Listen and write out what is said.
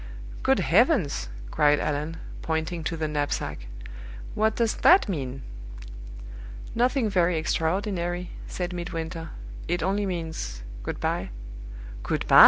"Good heavens!" cried Allan, pointing to the knapsack, "what does that mean?" "Nothing very extraordinary," said Midwinter. "It only means good by." "Good by!"